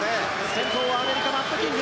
先頭はアメリカマット・キング